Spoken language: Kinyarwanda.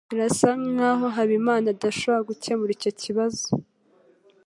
Birasa nkaho Habimana adashobora gukemura icyo kibazo.